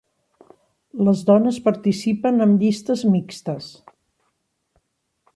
Les dones participen amb llistes mixtes